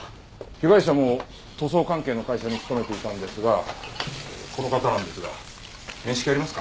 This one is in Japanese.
被害者も塗装関係の会社に勤めていたんですがこの方なんですが面識ありますか？